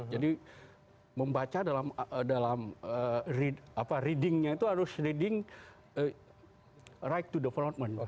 jadi membaca dalam readingnya itu harus reading right to development